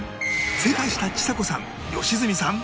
正解したちさ子さん良純さん